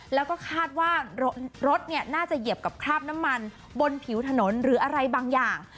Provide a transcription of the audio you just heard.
แล้วก็คาดว่ารถน่าจะเหยียบกับคราบน้ำมันบนผิวถนนหรืออะไรบางอย่าง